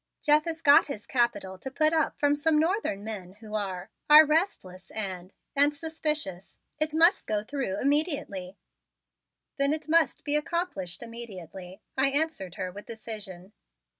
"Jeff has got his capital to put up from some Northern men who are are restless and and suspicious. It must go through and immediately." "Then it must be accomplished immediately," I answered her with decision.